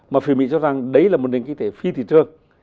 mà phía mỹ cho rằng đấy là một nền kinh tế phi thị trường